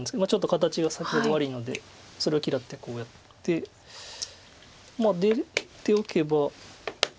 ちょっと形が先ほど悪いのでそれを嫌ってこうやってまあ出ておけば。